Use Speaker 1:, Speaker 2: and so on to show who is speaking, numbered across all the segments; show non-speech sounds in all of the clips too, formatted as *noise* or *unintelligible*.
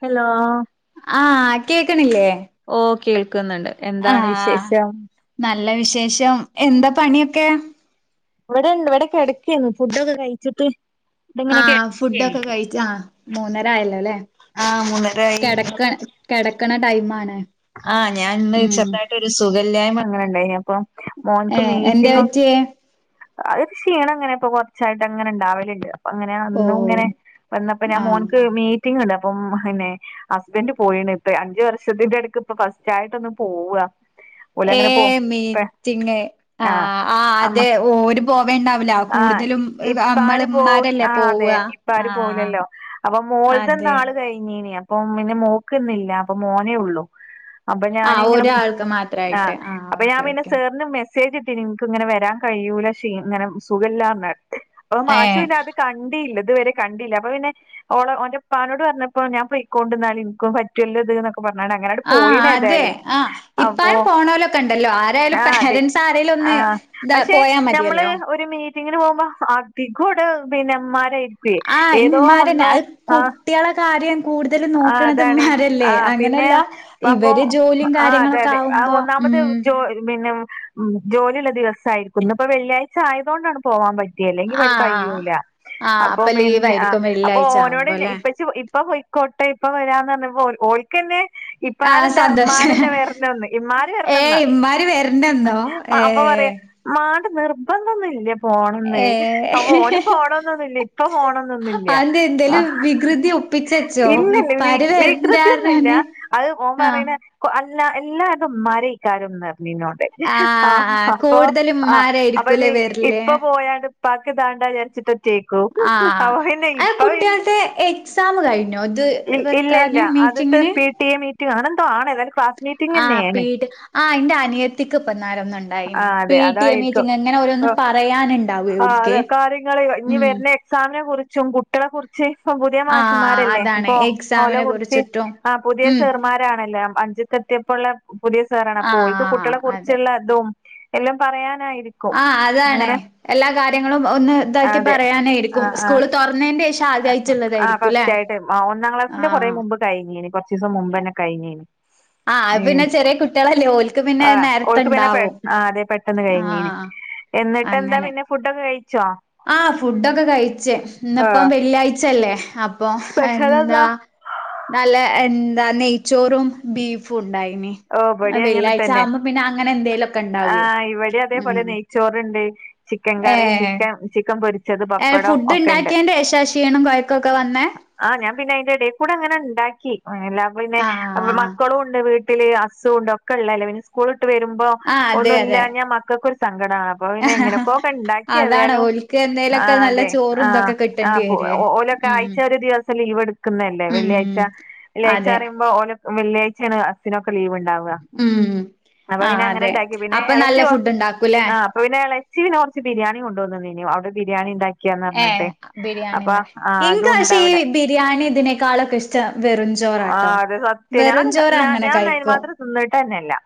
Speaker 1: Hello.
Speaker 2: ആഹ് കേക്കണില്ലെ?
Speaker 1: ഓഹ് കേൾക്കുന്നുണ്ട്. എന്താണ്
Speaker 2: ആഹ്
Speaker 1: വിശേഷം
Speaker 2: നല്ല വിശേഷം എന്താ പണിയൊക്കെ?
Speaker 1: ഇവിടിണ്ട് ഇവിടെ കിടക്കെന്നു ഫുഡൊക്കെ കഴിച്ചിട്ട്. ഇവിടെങ്ങനെ കെ
Speaker 2: ആഹ് ഫുഡൊക്കെ കഴിച്ച് ആഹ് മൂന്നര ആയല്ലോ ലെ.
Speaker 1: ആഹ് മൂന്നര ആയി.
Speaker 2: കെടക്കണ ടൈം ആണ്.
Speaker 1: ആഹ് ഞാൻ ഇന്ന്
Speaker 2: ഉം
Speaker 1: ചെറുതായിട്ട് ഒരു സുഖല്ലായിമ അങ്ങനെ ഉണ്ടായി അപ്പോ മോൻക്ക് മീറ്റിംഗ്.
Speaker 2: റ്റിയെ.
Speaker 1: അത് ക്ഷീണം ഇങ്ങനെ ഇപ്പോ കുറച്ചായിട്ട് അങ്ങനെ ഉണ്ടാവലില്ല. ഇപ്പോ അങ്ങനെ അന്നും
Speaker 2: ഓഹ്
Speaker 1: ഇങ്ങനെ വന്നപ്പ ഞാൻ
Speaker 2: ആഹ്
Speaker 1: മോൻക്ക് മീ റ്റിംഗ് ഇണ്ട് അപ്പം പിന്നെ ഹസ്ബന്റ് പോയിണ് ഇപ്പ അഞ്ചു വർഷത്തിന്റെടു ഇക്ക് ഇപ്പോ ഫസ്റ്റ് ആയിട്ട് ഒന്ന് പോവ.
Speaker 2: ഏഹ് മീറ്റിംഗ് ആഹ് ആഹ് അതെ ഓല്‌ പോവേ ഇണ്ടാവില്ല കൂടുതലും
Speaker 1: ഇപ്പാര് പോവും
Speaker 2: നമ്മള്മാരല്ലേ
Speaker 1: ആഹ്
Speaker 2: പോവ
Speaker 1: അതെ ഇപ്പാര്
Speaker 2: ആഹ്
Speaker 1: പോവുലല്ലോ അപ്പോ മോൾത്
Speaker 2: അതെ
Speaker 1: ഇന്നാള് കഴിഞ്ഞീന്. അപ്പം പിന്നെ മോക്കിന്നില്ല അപ്പോ മോനെ ഉള്ളൂ. അപ്പോ
Speaker 2: ആഹ്
Speaker 1: ഞാനിങ്ങനെ
Speaker 2: ഒരാൾക്ക് മാത്രായിട്ട്
Speaker 1: ആഹ് അപ്പ ഞാൻ
Speaker 2: ഓക്കെ
Speaker 1: പിന്നെ
Speaker 2: ഓക്കെ
Speaker 1: സാറിന് മെ സ്സേജ് ഇട്ടിന് ഇൻക്ക് ഇങ്ങനെ വരാൻ കഴിയൂല ക്ഷീ ഇങ്ങനെ സുഖല്ലാ പറഞ്ഞിട്ട് മാഷ്
Speaker 2: ഏഹ്
Speaker 1: പിന്നെ അത് കണ്ടീല്ല ഇതുവരെ കണ്ടില്ല അപ്പോ പിന്നെ ഓളെ ഓന്റപ്പാനോട് പറഞ്ഞപ്പോ ഞാൻ പോയിക്കൊണ്ടിന്നാൽ എനിക്കും പറ്റുല്ലോത് എന്നൊക്ക പറഞ്ഞാണ്ട് അങ്ങനെ
Speaker 2: ആഹ് അതെ ആ ഇപ്പായും പോണലൊക്കെ ഉണ്ടല്ലോ ആരായാലും
Speaker 1: ആഹ് അതെ
Speaker 2: പേരന്റ്സ് ആരെലും ഒന്ന്
Speaker 1: ആഹ്
Speaker 2: ഇതാ
Speaker 1: പക്ഷെ
Speaker 2: പോയാ
Speaker 1: ഞമ്മള്
Speaker 2: മതിയല്ലോ
Speaker 1: ഒരു മീറ്റിങ്ങിന് പോകുമ്പോ അതികൂടെ പിന്നെമാരായി
Speaker 2: ആഹ് ഇമ്മാരന്നെ അത് കു കുട്ടിയളെ കാര്യം കൂടുതലും
Speaker 1: ആഹ്
Speaker 2: നോക്കണത്
Speaker 1: അതാണ്
Speaker 2: ഇമാരല്ലെ
Speaker 1: ആഹ് പിന്നെ
Speaker 2: അങ്ങനെയല്ല
Speaker 1: ഇപ്പ അപ്പൊ
Speaker 2: ഇവര് ജോലിയും
Speaker 1: ആഹ് അതെ
Speaker 2: കാര്യങ്ങളൊക്കെ
Speaker 1: അതെ
Speaker 2: ആകും
Speaker 1: ആഹ് ഒന്നാമത് ജോ പിന്നെ ഉം ജോലിയുള്ള ദിവസായിരിക്കും ഇന്ന് ഇപ്പോ വെള്ളിയാഴ്ച്ച ആയത് കൊണ്ടാണ് പോവാൻ പറ്റ റ്റി അല്ലെങ്കിൽ
Speaker 2: ആഹ് ആഹ്
Speaker 1: കയ്യൂല
Speaker 2: ആഹ്
Speaker 1: അപ്പോ
Speaker 2: അപ്പൊ
Speaker 1: പിന്നെ ആ
Speaker 2: ലീവായിരിക്കും
Speaker 1: അപ്പോ
Speaker 2: വെള്ളിയാഴ്ച
Speaker 1: ഓനോട്
Speaker 2: ആവുമ്പോ ല്ലേ
Speaker 1: ഇപ്പച്ചി ഇ ഇപ്പ പോയിക്കോട്ടെ ഇപ്പ വരാന്ന് പറഞ്ഞപ്പോ ഓല് ഇക്ക്ന്നെ
Speaker 2: ആഹ്
Speaker 1: ഇപ്പാരല്ല
Speaker 2: സന്തോഷ്
Speaker 1: ഇമ്മാര്ന്ന വേറന്നന്ന് ഇമ്മാര്
Speaker 2: ഏയ്
Speaker 1: വർനന്ന്
Speaker 2: ഇമ്മാര് വരണന്നോ
Speaker 1: ആ അപ്പോ
Speaker 2: ഏഹ്
Speaker 1: പറയും മാണ്ട് നിർബന്ധൊന്നും ഇല്ല പോണന്ന് അപ്പ
Speaker 2: ഏഹ്
Speaker 1: ഓല് പോണന്നൊന്നില്ല ഇപ്പ പോണന്നൊന്നില്ല ആഹ്
Speaker 2: പ്പിച്ച്
Speaker 1: ഇല്ലല്ല വികൃതിയൊന്നും ഇല്ല അത് ഓൻ
Speaker 2: ആഹ്
Speaker 1: പറയ്ണ അല്ല എല്ലാരതും ഇമ്മാരായിരിക്കുംന്ന് പറഞ്ഞു എന്നോട് ആഹ് അപ്പോ
Speaker 2: കൂടുതലും
Speaker 1: ആ അപ്പ
Speaker 2: ഇമ്മാരായിരിക്കൂലേ
Speaker 1: ഇനീ
Speaker 2: വരല്
Speaker 1: ഇപ്പ പോയാലും പ്പാക്ക് ഇതാണ്ടാചാരിച്ചിട്ട്റ്റേക്കും
Speaker 2: ആഹ്
Speaker 1: അപ്പ പിന്നെ
Speaker 2: അത്
Speaker 1: ഇപ്പ പിന്നെ
Speaker 2: കുട്ട്യാൾടെ എക്സാം കഴിഞ്ഞോ ഇത്
Speaker 1: ഇല്ല ഇല്ല
Speaker 2: വെക്കാന്
Speaker 1: ആദ്യത്തെ
Speaker 2: മീറ്റിങ്ങിന്
Speaker 1: പി ടി എ മീറ്റിംഗ് അങ്ങനെ എന്തോ ആണ് പറഞ്ഞീട്ടി
Speaker 2: ആഹ് പി ടി എന്റെ അനിയത്തിക്ക് ഇപ്പ ഇന്നലെ ഒന്നുണ്ടായീനി
Speaker 1: അതെ
Speaker 2: പി ടി എ മീറ്റിഗ് ഇങ്ങനെ
Speaker 1: അതായിരിക്കും
Speaker 2: ഓരോന്ന് പറയാന്ണ്ടാവേ
Speaker 1: ആഹ്
Speaker 2: ഓൽക്ക്
Speaker 1: അതെ കാര്യങ്ങള് ഇനി
Speaker 2: ഉം
Speaker 1: വര്ണെ സാമിനെ കുറിച്ചും കുട്ടികളെ കുറിച്ച് ഇപ്പം പുതിയ
Speaker 2: ആഹ്
Speaker 1: മാഷന്മാരല്ലേ
Speaker 2: അതാണ്
Speaker 1: അപ്പോ ഓലെ
Speaker 2: എക്സാമിനെ
Speaker 1: കുറിച്ച്
Speaker 2: കുറിച്ചിട്ടും
Speaker 1: ആ പുതിയ
Speaker 2: ഉം
Speaker 1: സെർമാരാണല്ലോ അഞ്ച്ക്ക്ത്തിയപ്പോയുള്ള പുതിയ സാറാണ് അപ്പോ ഓൽക്ക്
Speaker 2: ആഹ്
Speaker 1: കുട്ടികളെ
Speaker 2: അതെ
Speaker 1: കുറിച്ചുള്ള തും എല്ലാം പറയാനായിരിക്കും
Speaker 2: ആഹ് അതാണ്
Speaker 1: അങ്ങനെ
Speaker 2: എല്ലാ കാര്യങ്ങളും ഒന്ന് ഇതാക്കി
Speaker 1: അതെ ആ
Speaker 2: പറയാനായിരിക്കും
Speaker 1: ആ
Speaker 2: സ്കൂള് തുറന്നതിന്റെ ശേഷം ആദ്യായിട്ടുള്ളതായിരിക്കുംല്ലെ
Speaker 1: ആഹ് ഒന്നാം ക്ലാസിന്റെ കൊറെ മുമ്പ് കഴിഞ്ഞേന് കൊറാച്ചിസം മുമ്പന്നെ കയിഞ്ഞേനി
Speaker 2: ആഹ് പിന്നെ ചെറിയ കുട്ടിളല്ലേ ഓല്ക്ക് പിന്നെ
Speaker 1: ആ
Speaker 2: നേരത്ത
Speaker 1: ഓൾക്ക് പിന്നെ
Speaker 2: ഇണ്ടാവും ആഹ്
Speaker 1: എന്നിട്ട് എന്താ
Speaker 2: അങ്ങനെ
Speaker 1: പിന്നെ ഫുഡൊക്കെ കയിച്ചോ
Speaker 2: ആഹ് ഫുഡൊക്കെ കയീച്ച് ഇന്ന് ഇപ്പേ വെള്ളിയാഴ്ച അല്ലേ അ പ്പൊ എന്താ
Speaker 1: സ്പെഷ്യലെന്താ
Speaker 2: നല്ല എന്താ നെയ്ച്ചോറും ബീഫും ഒണ്ടായ്നി
Speaker 1: ഓ
Speaker 2: ആഹ്
Speaker 1: ഇബടിം അങ്ങനെ
Speaker 2: വെള്ളിയാഴ്ച
Speaker 1: തന്നെ
Speaker 2: ആവ്മ്പോ പിന്നെ അങ്ങനെ എന്തേലും ഓക്കെ ഓണ്ടാവേ ഉം
Speaker 1: ചോറ് ഇണ്ടേ ചിക്കൻ കറി
Speaker 2: ഏഹ്
Speaker 1: ചിക്കൻ ചിക്കൻ പൊരിച്ചത്
Speaker 2: ഏഹ്
Speaker 1: പപ്പടം
Speaker 2: ഫുഡ്
Speaker 1: ഒക്കെയെണ്ട്
Speaker 2: ഇണ്ടാക്കിയേന്റെ ശേഷാ ക്ഷീണം കൊഴക്കൊക്കെ വന്നേ?
Speaker 1: ആഹ് ഞാൻ പിന്നെ അയിന്റെ എടേക്കൂടെ അങ്ങനെ ഇണ്ടാക്കി എല്ലാ പിന്നെ
Speaker 2: ആഹ്
Speaker 1: മക്കളും ഒണ്ട് വീട്ട് പിന്നെ ഈ അസുണ്ട് ഒക്കെള്ളേല്ലെ പിന്നെ സ്കൂളിട്ട് വെര്മ്പം
Speaker 2: ആഹ് അതെ അതെ
Speaker 1: ഒന്നുയില്ലാഞ്ഞാ മക്കക്കൊരു സങ്കടാണ് അപ്പൊ പിന്നെ എങ്ങനെക്കോ ഒക്കെ ഇണ്ടാക്കി
Speaker 2: അതാണ്
Speaker 1: ഏതായാലും
Speaker 2: ഓൽക്ക് എന്തേലൊക്കെ
Speaker 1: ആഹ്
Speaker 2: നല്ല
Speaker 1: അതെ
Speaker 2: ചോറും
Speaker 1: ആഹ്
Speaker 2: ഇതൊക്കെ കിട്ടേണ്ടി
Speaker 1: ആഹ് പോം
Speaker 2: വരുവേ
Speaker 1: ഓല്
Speaker 2: ഉം
Speaker 1: ആഴ്ച ഒര് ദിവസം ലീവ് എട്ക്ക്ന്നല്ലേ
Speaker 2: ഉം
Speaker 1: വെള്ളിയാഴ്ച്ച
Speaker 2: ഉം
Speaker 1: വെള്ളിയാഴ്ച്ച
Speaker 2: അതെ
Speaker 1: പറയുമ്പോ ഓല് വെള്ളിയാഴ്ചയാണ് അച്ഛനൊക്കെ ലീവ് ഇണ്ടാവാ
Speaker 2: ഉം ആഹ് അതെ
Speaker 1: പിന്നെ
Speaker 2: അപ്പൊ നല്ല
Speaker 1: എളച്ചി
Speaker 2: ഫുഡ് ഇണ്ടാക്കൂല്ലേ
Speaker 1: ആ അപ്പൊ പിന്നെ എളേച്ചി കൊറച്ച് ബിരിയാണി കൊണ്ട് വന്നേനി അവടെ ബിരിയാണി ഇണ്ടാ
Speaker 2: ഏഹ് ബിരിയാണിന്നാ
Speaker 1: അതും
Speaker 2: ഇങ്കാ
Speaker 1: ഉണ്ട്
Speaker 2: പശേ ഈ
Speaker 1: അവിടെ
Speaker 2: ബിരിയാണി ഇതിനേക്കാളൊക്കേ ഇഷ് ച്ചാ വെറും ചോറാ
Speaker 1: ആ
Speaker 2: കെട്ടോ
Speaker 1: അത്
Speaker 2: വെറും ചോറ് അങ്ങനെ കയിക്കും
Speaker 1: നന്നായിട്ട് തന്നെയാ എല്ലാം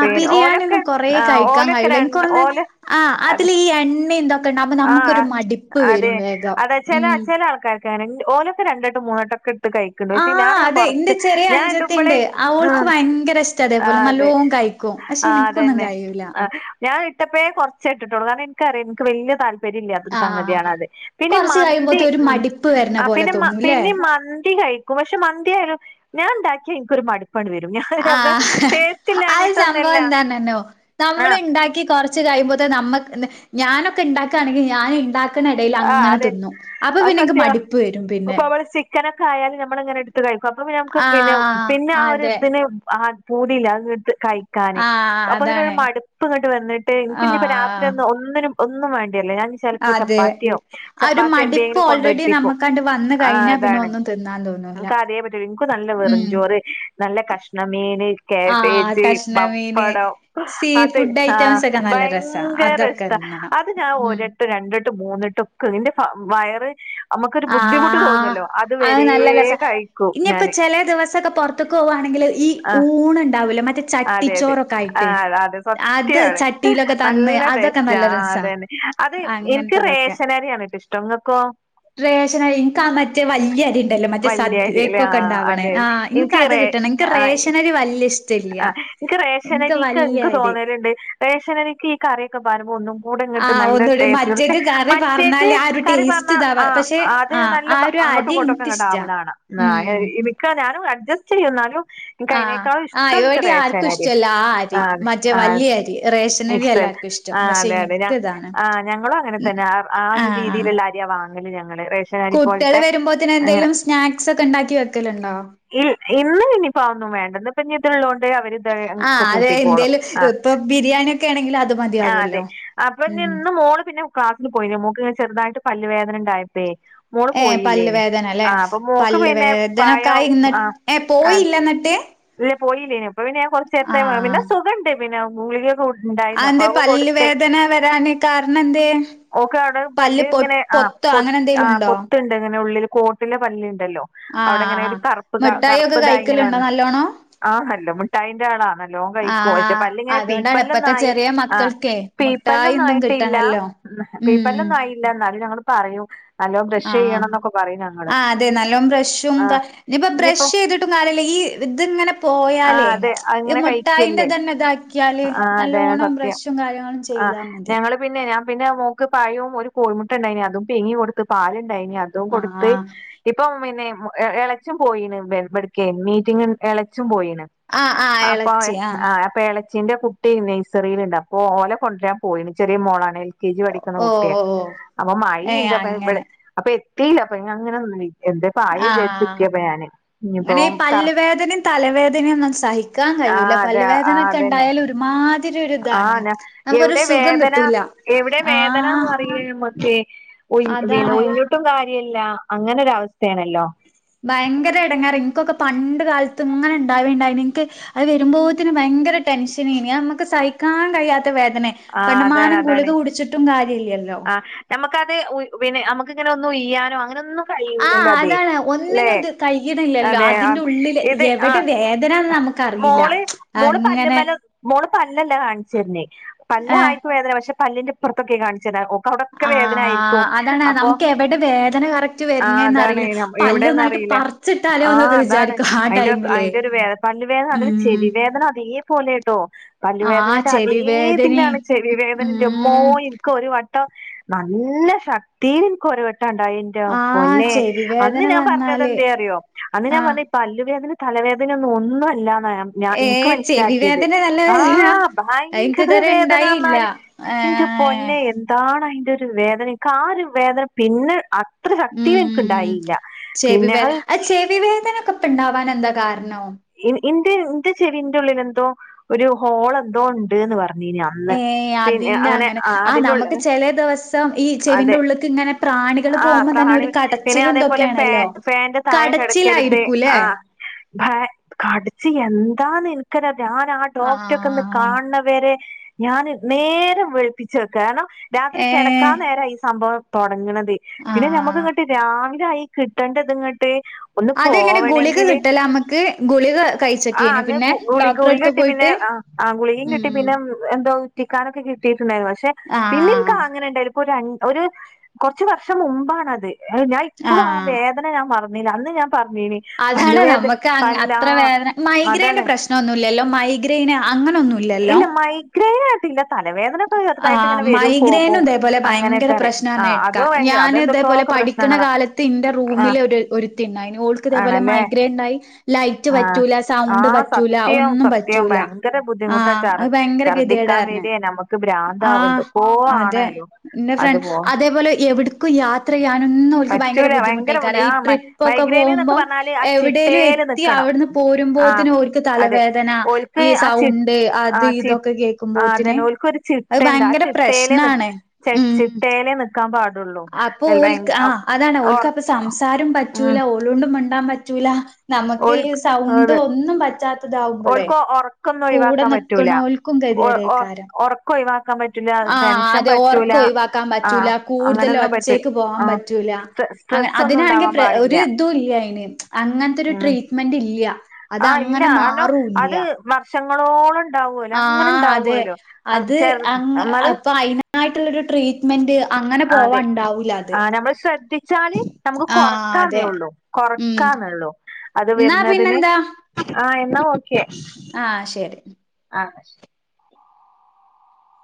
Speaker 1: പിന്നെ ഓലൊക്കെ
Speaker 2: ബിരിയാണിയൊന്നും കൊറേ
Speaker 1: ആഹ്
Speaker 2: കഴിക്കാൻ
Speaker 1: ഓലൊക്കെ
Speaker 2: കഴിയൂല ഇൻക്ക്
Speaker 1: രണ്ട്
Speaker 2: തോന്നുന്നു
Speaker 1: ഓല്
Speaker 2: ആഹ്
Speaker 1: അത്-
Speaker 2: അതില് ഈ എണ്ണയും ഇതൊക്കെ ഉണ്ടാവുമ്പോ നമുക്കൊരു
Speaker 1: ആഹ്
Speaker 2: മടിപ്പ്
Speaker 1: അതെ
Speaker 2: വരും വേഗം
Speaker 1: അതാ ചെല
Speaker 2: ഉം
Speaker 1: ചെല ആൾക്കാ ക്കാര് ഓലൊക്ക രണ്ട് വെട്ടം മൂന്ന് വെട്ടം എ കഴിക്കണ്ട് പക്ഷെ
Speaker 2: ആഹ്
Speaker 1: ഞാന്
Speaker 2: അതെ ഇന്റെ
Speaker 1: കൊറച്ച്
Speaker 2: ചെറിയ
Speaker 1: ഞാൻ ഇടുമ്പോളെ
Speaker 2: അഞ്ചത്തിണ്ട് അവൾക്ക്
Speaker 1: ആഹ്
Speaker 2: ഭയങ്കര ഇഷ്ട അതേപോലെ
Speaker 1: അതെ
Speaker 2: നല്ലോം കഴിക്കും പക്ഷെ
Speaker 1: ആഹ് അത്
Speaker 2: എനിക്കൊന്നും
Speaker 1: തന്നെ
Speaker 2: കഴിയൂല
Speaker 1: ആഹ് ഞാൻ ഇട്ടപ്പോഴേ കൊറച്ചേ ഇട്ടിട്ടോള്ളൂ കാരണം എനിക്കറിയാം എനിക്ക് വല്ലിയ താല് ഉപ്പേരി ഇല്ലാത്തൊരു
Speaker 2: ആഹ്
Speaker 1: സംഗതിയണ് അത് പിന്നെ
Speaker 2: കൊറച്ച്
Speaker 1: മന്തി
Speaker 2: കഴിയുമ്പോത്ത് ഒരു
Speaker 1: ഉം
Speaker 2: മടിപ്പ് വരണ
Speaker 1: ആഹ്
Speaker 2: പോലെ
Speaker 1: പിന്നെ മ
Speaker 2: തോന്നൂല്ലേ
Speaker 1: പിന്നെ മന്തി കയി ക്കൂം പക്ഷെ മന്തിയാലും ഞാൻ ഇണ്ടാക്കി എനിക്കൊര് മട്പ്പാട് വെരും ഞാൻ എന്താ ടേസ്റ്റ്
Speaker 2: ആയ് സംഭവം
Speaker 1: ഇല്ലാഞ്ഞിട്ടൊന്നല്ല
Speaker 2: എന്താനാന്നോ നമ്മള്
Speaker 1: ആഹ്
Speaker 2: ഇ ണ്ടാക്കി കൊറച്ച് കയിമ്പോത്തേന് ഞമ്മക്ക് ഞാനൊക്കെ ഇണ്ടാക്കാണെങ്കി ഞാന് ഇണ്ട ക്കിണ എടേല്
Speaker 1: ആഹ്
Speaker 2: അങ്ങനെ
Speaker 1: അതെ
Speaker 2: തിന്നും അപ്പൊ പിന്നെ എക്ക് മടുപ്പ് വെരും പിന്നെ-
Speaker 1: ചെല കാര്യങ്ങള് ഞമ്മള് ഇങ്ങനെ എട്ത്ത് കയിക്കും അപ്പം പിന്നെ ഞമ്മക്ക് പിന്നെ
Speaker 2: ആഹ്
Speaker 1: പിന്നെ ആഹ് ഒര്
Speaker 2: അതെ
Speaker 1: ഇതിന് ആ- സ്പൂൺ ഇല്ല അങ്ങ് എടുത്ത് കയിക്ക് - ക്കാന്
Speaker 2: ആഹ്
Speaker 1: അപ്പൊ അയിനൊരു
Speaker 2: അതാണ്
Speaker 1: മടിപ്പ് ഇങ്ങോട്ട് വന്നിട്ട് എനിക്ക് ഇപ്പോ രാത്രി
Speaker 2: ആഹ്
Speaker 1: ഒന്ന് ഒന്നിനും- ഒന്നും വേണ്ടിയാല്ലേ ഞാൻ ചെലപ്പോ ചപ്പാ -
Speaker 2: അതെ
Speaker 1: ചപ്പാത്തിയോ
Speaker 2: ആ ഒരു
Speaker 1: ചപ്പാത്തി
Speaker 2: മടിപ്പ്
Speaker 1: എന്തെലും കൊണ്ട്
Speaker 2: ഓൾറെഡി
Speaker 1: വെച്ചേക്കും
Speaker 2: നമ്മക്കണ്ട് വന്ന്
Speaker 1: ആഹ്
Speaker 2: കഴിഞ്ഞാ
Speaker 1: ആ
Speaker 2: പിന്നെ
Speaker 1: അതാണ്
Speaker 2: ഒന്നും തിന്നാൻ തോന്നൂല.
Speaker 1: ഞമ്മക്ക്- അതേ പ എനിക്ക് നല്ല
Speaker 2: ഉം
Speaker 1: വെറുംചോറ് നല്ല കഷ്ണം മീന്
Speaker 2: ആഹ്
Speaker 1: ക്യാബേജ്,
Speaker 2: കഷ്ണമീന്
Speaker 1: പപ്പടം
Speaker 2: സീ
Speaker 1: അത്
Speaker 2: ഫുഡ്
Speaker 1: ആഹ്
Speaker 2: ഐറ്റംസ് ഒക്കെ നല്ല രസാ
Speaker 1: ഭയങ്കര
Speaker 2: അതൊക്കെ
Speaker 1: ഇഷ്ടാ
Speaker 2: തിന്നണം.
Speaker 1: അത് ഞാൻ ഒരു
Speaker 2: ഉം
Speaker 1: വെട്ടോം രണ്ട് വെട്ടോം മൂന് വെട്ടോം എന്റെ വയറ്- ഞമ്മക്കൊര് ബുദ്ധിമുട്ട്
Speaker 2: ആഹ്
Speaker 1: തോന്നാല്ലോ അത്
Speaker 2: നല്ല
Speaker 1: വേരയും
Speaker 2: രസാ
Speaker 1: കയിക്കൂം ഞാന്
Speaker 2: ത്താക്കെ പോകവാണെങ്കില് ഈ
Speaker 1: ആ
Speaker 2: ഊണ് ഇണ്ടാവില്ലോ മറ്റേ ച
Speaker 1: അതെ അതെ ആഹ് അതെ
Speaker 2: അത്
Speaker 1: സത്യാണ്
Speaker 2: ചട്ടിയിലൊക്കെ തന്ന്
Speaker 1: നല്ലാ
Speaker 2: അതൊക്കെ
Speaker 1: ടേസ്റ്റ്
Speaker 2: നല്ല
Speaker 1: ആഹ്
Speaker 2: രസാ
Speaker 1: അതെ തന്നെ അതെ എനിക്ക്
Speaker 2: അങ്ങനത്തതൊക്കെ
Speaker 1: റേഷനരിയാണ് ഇഷ്ടം ഇങ്ങക്കോ
Speaker 2: റേഷനിരി എനക്ക് ആഹ് മറ്റേ വല്ല്യയ അരി ഇണ്ടല്ലോ മറ്റേ
Speaker 1: വല്യ അരി അല്ലെ ആ
Speaker 2: സദ്യയാക്കെ ഇണ്ടാവണേ
Speaker 1: അതെ അതെ
Speaker 2: ആഹ് എനിക്ക് അത് കിട്ടണം എക്ക് റേഷനരി വല്ല്യ ഇഷ്
Speaker 1: ആഹ് എനിക്ക് റേഷനരിക്ക് എനിക്ക്
Speaker 2: അരി
Speaker 1: തോന്നല് ഇണ്ട് റേഷനരിക്ക് ഈ കറിയൊക്കെ *unintelligible* കൂടേ
Speaker 2: ആ
Speaker 1: അങ്ങട്ട് നല്ലാ
Speaker 2: ഒന്നൂടി
Speaker 1: ടേസ്റ്റ് പക്ഷെ
Speaker 2: മറ്റേക്ക് കറി
Speaker 1: മറ്റേക്ക്
Speaker 2: പാർന്നാല് ആ ഒരു
Speaker 1: കറി
Speaker 2: ടേസ്റ്റ്
Speaker 1: പറഞ്ഞാ
Speaker 2: ഇതാവാ
Speaker 1: ആഹ്
Speaker 2: പക്ഷെ
Speaker 1: ആഹ് - അത്
Speaker 2: ആ
Speaker 1: നല്ല
Speaker 2: ആ ഒരു
Speaker 1: അങ്ങോട്ടും
Speaker 2: അരി
Speaker 1: ഇങ്ങോട്ടും ഓക്കെ ഇങ്ങാട്ട്
Speaker 2: ഇൻക്കിഷ്ടാ
Speaker 1: ആവാണകാണാം
Speaker 2: ഉം
Speaker 1: ക്കാ ഞാനും അഡ്ജസ്റ്റ് ചെയും എന്നാലും എനക്ക്
Speaker 2: ആ
Speaker 1: അയിനേക്കാലും ഇഷ്
Speaker 2: *unintelligible* ആർക്കും ഇഷ്ടമല്ല ആഹ് അരി മറ്റേ വല്ല്യ അരി റേഷനരിയാ എല്ലാർക്കും ഇഷ്
Speaker 1: ആഹ് അതെ അതെ ഞാ ആ ഞങ്ങളും
Speaker 2: ഉം,
Speaker 1: അങ്ങനെതന്നെയാ ആഹ് ആ ഒരു രീതീലുള്ള അരിയാ വാങ്ങല് ഞങ്ങള് റേഷ
Speaker 2: കുട്ടികള് വരുമ്പോത്തിന് എന്തേലും സ്നാക്സൊക്കെ ഇണ്ടാക്കി വെക്കല്ണ്ടോ
Speaker 1: ഇ ഇന്ന് ഇനിയിപ്പോ അതൊന്നും വേണ്ട ഇന്ന് ഇപ്പ ഇത് ഉള്ളോണ്ട്‌ - അവര്
Speaker 2: ആഹ്
Speaker 1: ഇതെക്കെ
Speaker 2: അതെ
Speaker 1: കൂട്ടിക്കോളും
Speaker 2: എന്തേലും
Speaker 1: ആഹ്
Speaker 2: ഇപ്പൊ ബിരിയാണിയൊക്കെ ആണെങ്കില് അത്
Speaker 1: ആഹ് അതെ
Speaker 2: മതിയാകുമല്ലോ
Speaker 1: അപ്പ ഇഞ്ഞി
Speaker 2: ഉം
Speaker 1: ഇന്ന് മോള് പിന്നെ ക്ലാസ്സിന് പോയില്ല മോൾക്ക് ഇങ്ങനെ ചെറുതായിട്ട് പല്ല് വേദനണ്ടായപ്പേ മോള്
Speaker 2: ഏഹ് പല്ല്
Speaker 1: പോയില്ലേന്
Speaker 2: വേദന അല്ലെ
Speaker 1: ആ അപ്പൊ മോക്ക്
Speaker 2: പല്ല്
Speaker 1: പിന്നെ പയം
Speaker 2: വേദനക്കായി ഇന്ന്
Speaker 1: ആഹ്
Speaker 2: ഏഹ്
Speaker 1: ആഹ്
Speaker 2: പോയില്ല എന്നിട്ട്
Speaker 1: പോയില്ലേന് ഇപ്പൊ പിന്നെ ഞാൻ കൊറച്ച് എപ്പഴും പിന്നെ
Speaker 2: ആഹ്
Speaker 1: സുഖണ്ട് പിന്നെ മുളികൊക്കെ കു
Speaker 2: ആഹ് എന്തേ പല്ല് വേദന വരാന് കാരണം എന്തേ
Speaker 1: ഓക്ക് അവിടെ പല്ല്
Speaker 2: പൊ
Speaker 1: നിങ്ങനെ ആഹ്
Speaker 2: പൊത്തോ
Speaker 1: പൊ
Speaker 2: അങ്ങനെ എന്തേലും
Speaker 1: ആഹ്
Speaker 2: ഉണ്ടോ
Speaker 1: പൊത്ത്ണ്ട് ഇങ്ങനെ ഉള്ളില് കോട്ട്ലെ പല്ല് ഇണ്ടല്ലോ അവിടെ
Speaker 2: ആഹ്
Speaker 1: ഇങ്ങനെ ഒരു കറപ്പ് താ കറപ്പ് ഇതായിങ്ങനെ വന്ന്-
Speaker 2: ലാണോ *unintelligible*
Speaker 1: ആഹ് കല്ല് മുട്ടായിന്റെ ആളാണ് ഓൻ കഴിക്കോ ഓന്റെ
Speaker 2: ആഹ്
Speaker 1: പല്ല് ഇങ്ങനെ പുഴു
Speaker 2: അതുകൊണ്ടാണ് ഇപ്പത്തെ
Speaker 1: പല്ല്ല്ലൊന്നായി
Speaker 2: ചെറിയ
Speaker 1: ആഹ്
Speaker 2: മക്കൾക്കേ മുട്ടായി എന്തും
Speaker 1: പുഴുപ്പല്ലൊന്നായിട്ടില്ലാ
Speaker 2: കിട്ടണല്ലോ
Speaker 1: ഉം
Speaker 2: ഉം
Speaker 1: പീപ്പല്ലൊന്നു ആയില്ല ന്നാലും ഞങ്ങള് പറയും നല്ലോം ബ്രഷ്
Speaker 2: ആഹ്
Speaker 1: ചെയ്യണം എന്നൊക്കെ പറയും ഞങ്ങള്
Speaker 2: ആ അതെ നല്ലോം ബ്രഷും ക
Speaker 1: ആഹ്
Speaker 2: ഇഞ്ഞ്പ്പ
Speaker 1: ഇനിയിപ്പോ
Speaker 2: ബ്രഷെയ്തി ട്ടും കാര്യല്ല്യ ഈ ഇത്ങ്ങനെ
Speaker 1: ആഹ്
Speaker 2: പോയാലേ
Speaker 1: അതെ
Speaker 2: ഈ
Speaker 1: അങ്ങനെ
Speaker 2: മുട്ടായിന്റെ
Speaker 1: കഴിക്കല്ലേ
Speaker 2: ഇതന്നെ ഇതാക്കിയാല്
Speaker 1: ആഹ് അതെ
Speaker 2: നല്ലോണം
Speaker 1: സത്യം
Speaker 2: ബ്രഷ് റ്റും കാര്യങ്ങളും
Speaker 1: ആഹ്
Speaker 2: ചെയ്താ മതി
Speaker 1: ഞങ്ങള് പിന്നെ ഞാൻ പിന്നെ മോക്ക് പയും ഒരു കോഴിമുട്ടണ്ടയിന് അതും പീങ്ങി കൊടുത്ത് പാല്ണ്ടായിന് അത് തും
Speaker 2: ആഹ്
Speaker 1: കൊട്ത്ത്
Speaker 2: ആഹ്
Speaker 1: ഇപ്പം പിന്നെ എളച്ചം പോയീണ് *unintelligible* ഇബട്ക്കെ മീറ്റിംഗ് എള ച്ചിം പോയീണ്
Speaker 2: ആഹ് ആഹ്
Speaker 1: അപ്പ
Speaker 2: എളച്ചി
Speaker 1: ആഹ് അപ്പ എളച്ചിന്റെ കുട്ടി നഴ്സറില്ണ്ട് അപ്പോലെ കൊണ്ട്രാൻ പോയിണ് ചെറിയ മോളാണ് എൽ കെ ജി
Speaker 2: ഓ
Speaker 1: പഠിക്ക്ണ
Speaker 2: ഓ
Speaker 1: കുട്ടിയാ
Speaker 2: ഓ
Speaker 1: അപ്പ
Speaker 2: ഏഹ്
Speaker 1: മയീണ്ട് അപ്പ ഇവടെ
Speaker 2: അങ്ങനെ
Speaker 1: അപ്പ എത്തീല്ല അപ്പ ഞാ ഇങ്ങനെ *unintelligible* എന്തേപ്പം
Speaker 2: ആഹ്
Speaker 1: ആയേചാര്ച്ച്ക്കേപ്പം ഞാന് ഇഞ്ഞ്പ്പോ തറ
Speaker 2: തലവേദനയൊന്നും സഹി ക്കാൻ
Speaker 1: ആ
Speaker 2: കയ്യൂല
Speaker 1: അതെ ആ അതന്നെ
Speaker 2: പല്ലുവേദനെക്കെണ്ടായാല് ഒരുമാതിരി
Speaker 1: ആ
Speaker 2: ഒരിതാണ്.
Speaker 1: ഞാ
Speaker 2: നമുക്കൊരു
Speaker 1: എവിടെ
Speaker 2: സുഖം
Speaker 1: വേദന
Speaker 2: കിട്ടൂല
Speaker 1: എവിടെ
Speaker 2: ആഹ്
Speaker 1: വേദനാന്നറിയൂല്ല ഞമ്മക്ക് ഉയ് പിന്നെ
Speaker 2: അതാണ്
Speaker 1: ഉയ്ഞ്ഞിട്ടും കാര്യ ല്ല അങ്ങനൊരു അവസ്ഥേണല്ലോ?
Speaker 2: ഭയങ്കരെടങ്ങേറ് ഇൻകൊക്കെ പണ്ട് കാലത്ത്ങ്ങനെണ്ടാവേണ്ടായിനി ഇൻക്ക് അഹ് വെരുമ്പോത്തിന് ഭയങ്കര ടെൻഷനേനി അയമ്മക്ക് സഹിക്കാൻ കഴിയാത്ത വേദനെ
Speaker 1: ആ
Speaker 2: കണ്ടമാനം ഗുളിക കുടിച്ചിട്ടും കാര്യല്ല്യല്ലോ
Speaker 1: ഞമ്മക്കത് ഉയ് പിന്നെ അമ്മക്ക്ങ്ങനെ ഒന്ന് ഉയ്യാനോ അങ്ങനൊന്നും
Speaker 2: ആഹ്
Speaker 1: കയ്യുലല്ലോ അത്
Speaker 2: അതാണ്
Speaker 1: ല്ലേ?
Speaker 2: ഒന്നിനും ഇത് കഴിയ്ണില്ലല്ലോ
Speaker 1: അതേ ആം
Speaker 2: അതിന്റെ ഉള്ളില്
Speaker 1: ഇത്
Speaker 2: എവിടെ
Speaker 1: ആഹ്
Speaker 2: വേദനാന്ന് നമുക്കറിയില്ല
Speaker 1: മോള് മോള്
Speaker 2: അങ്ങനെ
Speaker 1: പല്ല്മലൊ മോള് പല്ലല്ല കാൺചെര്നെ
Speaker 2: ഏഹ്
Speaker 1: പല്ലായിര്ക്കും വേദന പക്ഷെ പല്ലിൻ്റിപ്പർത്തൊക്കെ കാൺച്ചെര്നെ. ആഹ് ഒ ൾക്കൗടൊക്കെ വേദനായിരിക്കും.
Speaker 2: ആഹ് അതാണ്
Speaker 1: അപ്പൊ
Speaker 2: നമുക്ക് എവിടെ വേദന കറക്റ്റ്
Speaker 1: ആഹ്
Speaker 2: വര്ണേന്ന്
Speaker 1: അതാണ്
Speaker 2: അറിയില്ല
Speaker 1: നമ്മ
Speaker 2: പല്ലൊന്നായിട്ട്
Speaker 1: എവിടേന്നറീല ആ
Speaker 2: പറിച്ചിട്ടാലോന്നൊക്കെ
Speaker 1: അതാണ്
Speaker 2: വിചാരിക്കും ആ
Speaker 1: അയ്ൻ്റൊപ്
Speaker 2: ടൈമിലേ
Speaker 1: അയ്ൻ്റൊരു വേ പല്ല് വേദന അത്
Speaker 2: ഉം
Speaker 1: ചെവിവേദന അതേ പോലേട്ടോ പല്ല്
Speaker 2: ആഹ്
Speaker 1: വേദനന്റെ
Speaker 2: ചെവി വേദനിം
Speaker 1: അതേതിലാണ് ചെ വി വേദനൻ്റമ്മോ
Speaker 2: ഉം
Speaker 1: ഇൻക്കൊരു വട്ടം നല്ല ശക്തീല് ഇൻക്കൊരു വട്ടണ്ടായെ ൻ്റെ
Speaker 2: ആഹ്
Speaker 1: പൊന്നേ
Speaker 2: ചെവി
Speaker 1: അന്ന്
Speaker 2: വേദന
Speaker 1: ഞാൻ പറഞ്ഞത്
Speaker 2: വന്നാല്
Speaker 1: എന്തേ അറിയോ അന്ന് ഞാൻ
Speaker 2: ആഹ്
Speaker 1: പറഞ് പല്ല് വേദനിം, തലവേദനയൊന്നു ഒന്നു അല്ലാന്നാ ഞാ ഞാ ഇൻക്ക്
Speaker 2: ഏഹ് ചെവി
Speaker 1: മൻസ്സിലാക്കിയത്
Speaker 2: വേദന നല്ല വേദനാ
Speaker 1: ആഹ്
Speaker 2: അത് ഇൻക്ക്
Speaker 1: ഭയങ്കര
Speaker 2: ഇതുവരെ ഇണ്ടായില്ല
Speaker 1: വേദനാർഞ്ഞാല് ഇന്റെ
Speaker 2: ഏഹ്
Speaker 1: പെന്നേ എന്താണയിൻ്റൊരു വേദന ഇൻക്കാ ഒരു വേദന പിന്നെ ആഹ് ഇത്ര
Speaker 2: ഉം
Speaker 1: ശക്തീലിൻക്ക്ണ്ടായീല്ല പിന്നെ അഹ്
Speaker 2: അത്ണ്ടാവാനെന്താ കാര്ണം?
Speaker 1: ഇൻ ഇൻ്റേ ഇന്റെ ചെവിൻ്റുളളിലെന്തോ ഒരു ഹോളെന്തോ ഇണ്ട്ന്ന് പർഞ്ഞീനാദ്യം
Speaker 2: ഏഹേ അതിന്റങ്ങനെ ആഹ്
Speaker 1: ഉള്ള്
Speaker 2: നമക്ക് ചെലേ ദിവസം ഈ
Speaker 1: അതെ
Speaker 2: ചെവിന്റുള്ള്ക്ക്ങ്ങനെ പ്രാണികള്
Speaker 1: ആ
Speaker 2: പോവുമ്പംതന്നെ
Speaker 1: പ്രാണി
Speaker 2: ഒര്
Speaker 1: പിന്നെ
Speaker 2: കടച്ചിലും
Speaker 1: അതേപോലെ ഫാ
Speaker 2: ഇതൊക്കേണല്ലോ കടച്ചിലായിരിക്കൂലേ?
Speaker 1: ഭേ കട്ച്ച് എന്താന്നിൻക്കെന്നെ ഞാ നാ ആഹ് ഡോക്ട്ടൊക്കൊന്ന്
Speaker 2: ആഹ്
Speaker 1: കാൺണെ വരെ ഞാന് നേരം വെൾപ്പിച്ചെക്കാ കാര്ണം രാത്രി
Speaker 2: ഏഹ്
Speaker 1: കെടക്കാൻ നേരാ ഈ സംഭവം തൊടങ്ങ്ണത് പിന്നെ
Speaker 2: ആഹ്
Speaker 1: നമ്മക്ക്ങ്ങട്ട് രാവിലായി കിട്ടണ്ടത്ങ്ങട്ട് ഒന്ന്
Speaker 2: അതെങ്ങനെ ഗുളിക
Speaker 1: പോവണെങ്കില്
Speaker 2: കിട്ടലാ അമ്മക്ക്? ഗുളിക
Speaker 1: ആ
Speaker 2: കഴിച്ചക്കേനു
Speaker 1: അന്ന്
Speaker 2: പിന്നെ
Speaker 1: ഗുളി
Speaker 2: ഡോക്ടറെ അടുത്ത്
Speaker 1: ഗുളികെട്ടി പിന്നെ
Speaker 2: പോയിട്ട്?
Speaker 1: ആ ആഹ് ഗുളികിം കെട്ടി
Speaker 2: ഉം
Speaker 1: പിന്നെ എന്തോ ഉറ്റിക്കാനൊക്കെ കിട്ടിയിട്ടുണ്ടായിരുന്നു പക്ഷെ പിന്നെ
Speaker 2: ആഹ്
Speaker 1: ഇൻക്കങ്ങനെണ്ടായില്ല ഇപ്പൊ ഒരു ഒരു അഞ്ച് വർഷം മുമ്പാണത് ഞാ ഇപ്പളും ആ
Speaker 2: ആഹ്
Speaker 1: വേദന ഞാൻ മർന്നില അന്ന് ഞാൻ പറഞ്ഞീന്
Speaker 2: അതാണ് നമ്മക്ക് അങ്ങ് അത്ര വേദന മൈഗ്രൈയിന്റെ
Speaker 1: അതാണ്
Speaker 2: പ്രശ്നം ഒന്നുല്ലല്ലോ മൈഗ്രെന് അങ്ങനൊന്നും
Speaker 1: ഇല്ല മൈഗ്രൈനായിട്ടില്ല തലവേദനൊക്കെ ചെറുതായിട്ട്
Speaker 2: ആഹ്
Speaker 1: ഇങ്ങെ വരും പോകും
Speaker 2: മൈഗ്രെയിനും ഇതേപോലെ ഭയങ്കര
Speaker 1: അങ്ങനെയൊക്കെ അറിയ ആ അതോ അത അതെന്തൊക്കോ പ്രശ്ന
Speaker 2: ക്കണ കാലത്ത് ഇന്റെ റൂമില് ഒര് ഒരുത്തി ഉണ്ടായി ഓൾക്ക് ഇതേപോലെ
Speaker 1: ആണല്ലേ
Speaker 2: മൈഗ്രേൻ ആയി ലൈറ്റ്
Speaker 1: ആഹ്
Speaker 2: പറ്റൂല സൗണ്ട്
Speaker 1: ആഹ്
Speaker 2: പറ്റൂല
Speaker 1: സത്യം
Speaker 2: ഒന്നും
Speaker 1: സത്യം
Speaker 2: പറ്റൂല
Speaker 1: ഭയങ്കര
Speaker 2: ആ
Speaker 1: ബുദ്ധിമുട്ടാ
Speaker 2: ആഹ്
Speaker 1: ചർ
Speaker 2: അത് ഭയങ്കര
Speaker 1: ഛർദ്ദിക്കാൻ
Speaker 2: ഗതിടാരണെ
Speaker 1: വരെ നമുക്ക് ഭ്രാന്താവും
Speaker 2: ആഹ്
Speaker 1: എന്തൊക്കോ
Speaker 2: അതെ
Speaker 1: ആണല്ലോ
Speaker 2: എന്ന
Speaker 1: അത്
Speaker 2: ഫ്രണ്ട്
Speaker 1: പോ
Speaker 2: അതേപോലെ എവിടക്കും യാ ത്ര ചെയ്യനൊന്നും അവൾക്ക് ഭയങ്കര
Speaker 1: പറ്റൂല
Speaker 2: ബുദ്ധിമുട്ടായി ക
Speaker 1: ബുദ്ധി
Speaker 2: *unintelligible* ഈ
Speaker 1: ആഹ് മ
Speaker 2: ട്രിപ്പ് ഒക്കെ
Speaker 1: മൈഗ്രൈന് എന്നൊക്കെ
Speaker 2: പോകുമ്പോ
Speaker 1: പറഞ്ഞാല് ആ
Speaker 2: എവിടെലും
Speaker 1: ചിട്ടേല്
Speaker 2: എത്തി
Speaker 1: നിക്കണം
Speaker 2: അവിടുന്ന്
Speaker 1: ആഹ്
Speaker 2: പോരുമ്പോത്തിനും ഓർക്ക്
Speaker 1: അതെ
Speaker 2: തലവേദന
Speaker 1: ഓൽക്ക്
Speaker 2: ഈ
Speaker 1: ആ ചി
Speaker 2: സൗണ്ട് അത് ഇതൊക്കെ
Speaker 1: ആഹ്
Speaker 2: കേൾക്കുമ്പോത്തിനെ
Speaker 1: അതന്നെ ഒര് ചി *unintelligible*
Speaker 2: അത് ഭയങ്കര പ്രശ്നാണ്. ഉം
Speaker 1: *inaudible* ക്കാ പാടുള്ളൂ.
Speaker 2: അപ്പൊ
Speaker 1: ഭയങ്ക
Speaker 2: ഓൽക്ക് ആ അതാണ് ഓൽക്ക്
Speaker 1: ഒർ
Speaker 2: അപ്പൊ സംസാരം
Speaker 1: ഉം
Speaker 2: പറ്റൂല ഓൾണ്ടും മിണ്ടാൻ പറ്റൂല. നമുക്ക് ഈ
Speaker 1: ഓൽക്ക്
Speaker 2: സൗണ്ട്
Speaker 1: അതെ
Speaker 2: ഒന്നും പറ്റാത്തതാവുമ്പോളേ
Speaker 1: ഓൽക്ക് ഒറക്കൊന്നും
Speaker 2: കൂടെ
Speaker 1: ഒഴിവാക്കാൻ പറ്റൂല
Speaker 2: നിക്കണോ ക്കും ക *unintelligible*
Speaker 1: ഒ ഒ
Speaker 2: രിയുടെക്കാരം.
Speaker 1: ഒറക്കം ഒഴിവാക്കാൻ പറ്റൂല
Speaker 2: ആഹ്
Speaker 1: ടെൻഷൻ
Speaker 2: അതെ
Speaker 1: പറ്റൂല
Speaker 2: ഒർക്കം ഒഴിവാക്കാൻ പറ്റൂല
Speaker 1: ആഹ്
Speaker 2: കൂടുതല്
Speaker 1: അങ്ങനൊന്നും പറ്റൂ
Speaker 2: ഒച്ചയ്ക്ക് പോവാൻ
Speaker 1: ആഹ്
Speaker 2: പറ്റൂല.
Speaker 1: സ്
Speaker 2: *unintelligible*
Speaker 1: സ്ട്രെസ്സ് ഒന്നും ഉണ്ടാവാൻ
Speaker 2: അതിനാണെങ്കിൽ ഒരു
Speaker 1: പാടില്ല
Speaker 2: ഇതും ഇല്ല അയിന് അങ്ങനത്തെ ഒരു
Speaker 1: ഉം
Speaker 2: ട്രീറ്റ്മെന്റ് ഇല്ല്യ.
Speaker 1: ആഹ് ഇല്ല കാരണം അത് വർഷങ്ങളോളം ണ്ടാവല്ലോ അങ്ങനെ
Speaker 2: ആഹ് അതെ
Speaker 1: ഉണ്ടാവുമല്ലോ ചെ നമ്മള്.
Speaker 2: യിട്ടുള്ളൊരു ട്രീറ്റ്.
Speaker 1: അതെ ആ നമ്മള് ശ്രദ്ധിച്ചാല് നമുക്ക്
Speaker 2: ആഹ്
Speaker 1: കുറക്കാന്
Speaker 2: അതെ
Speaker 1: ഉള്ളൂ.
Speaker 2: ഉം.
Speaker 1: കൊറക്കാന്നള്ളൂ അത്
Speaker 2: ന്നാ
Speaker 1: വരുന്നതിന്
Speaker 2: പിന്നെന്താ
Speaker 1: ആഹ് എന്നാ ഓക്കെ
Speaker 2: ആഹ് ശരി
Speaker 1: ആഹ് ശ്